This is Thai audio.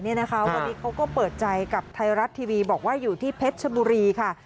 วันนี้เขาก็เปิดใจกับไทยรัฐทีวีบอกว่าอยู่ที่เพชรชบุรีค่ะ